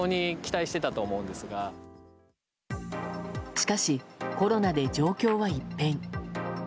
しかし、コロナで状況は一変。